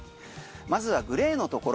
まずはグレーのところ。